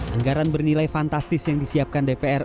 anggaran bernilai fantastis yang disiapkan dpr